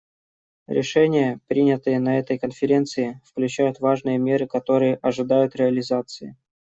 Решения, принятые на этой Конференции, включают важные меры, которые ожидают реализации.